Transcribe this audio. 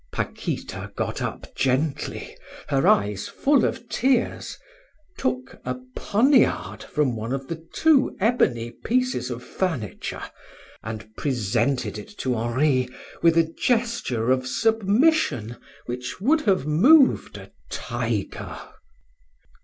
Paquita got up gently, her eyes full of tears, took a poniard from one of the two ebony pieces of furniture, and presented it to Henri with a gesture of submission which would have moved a tiger.